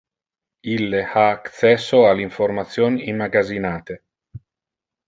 Ille ha accesso al information immagazinate.